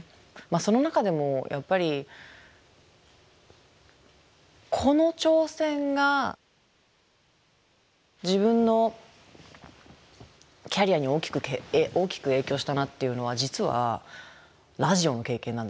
その中でもやっぱりこの挑戦が自分のキャリアに大きく影響したなっていうのは実はラジオの経験なんですよね。